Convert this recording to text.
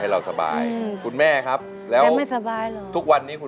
ไม่ให้โดนน้ำอีก